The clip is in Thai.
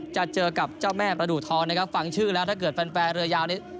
จะเจอกับเจ้าแม่ประดูทองนะครับฟังชื่อแล้วถ้าเกิดแฟนเรือยาวนี้